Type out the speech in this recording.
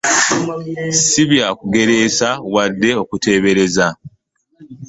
Si bya kugereesa wadde okuteebereza.